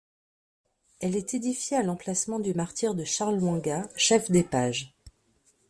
Elle est édifiée à l'emplacement du martyre de Charles Lwanga, chef des pages.